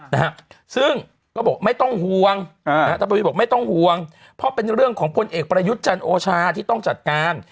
นะฮะซึ่งก็บอกไม่ต้องห่วงนะฮะต้องบอกไม่ต้องห่วงเพราะเป็นเรื่องของพลเอกประยุจรรโอชาที่ต้องจัดการ